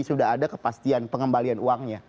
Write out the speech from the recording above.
sudah ada kepastian pengembalian uangnya